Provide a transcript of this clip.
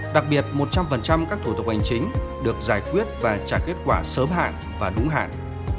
đặc biệt một trăm linh các thủ tục hành chính được giải quyết và trả kết quả sớm hạn và đúng hạn